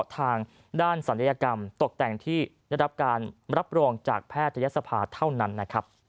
ทางด้านศัลยกรรมตกแต่งที่ระดับการรับโรงจากแพทยศภาเท่านั้น